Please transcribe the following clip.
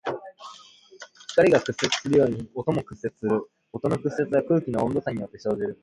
光が屈折するように音も屈折する。音の屈折は空気の温度差によって生じる。